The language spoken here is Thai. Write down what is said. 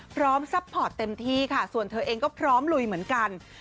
ซัพพอร์ตเต็มที่ค่ะส่วนเธอเองก็พร้อมลุยเหมือนกัน